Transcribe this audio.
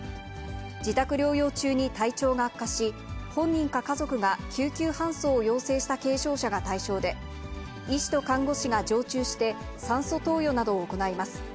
自宅療養中に体調が悪化し、本人か家族が救急搬送を要請した軽症者が対象で、医師と看護師が常駐して、酸素投与などを行います。